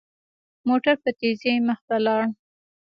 موټر په تېزۍ مخ ته لاړ.